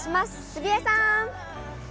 杉江さん。